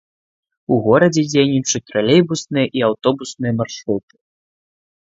У горадзе дзейнічаюць тралейбусныя і аўтобусныя маршруты.